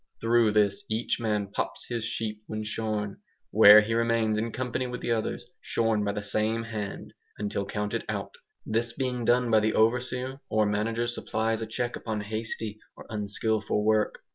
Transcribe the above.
Through this each man pops his sheep when shorn, where he remains in company with the others shorn by the same hand, until counted out. This being done by the overseer or manager supplies a check upon hasty or unskilful work.